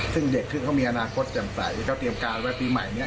ซึ่งเด็กเรามีอนาคตเต็มใสเขาเตรียมการไว้ปีใหม่นี้